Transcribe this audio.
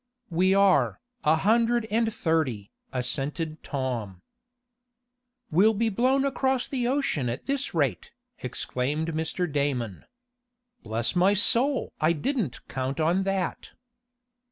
"We are, a hundred and thirty," assented Tom. "We'll be blown across the ocean at this rate," exclaimed Mr. Damon. "Bless my soul! I didn't count on that."